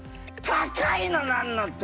高いのなんのって。